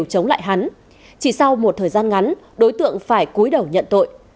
sau một thời gian ngắn đối tượng phải cúi đầu nhận tội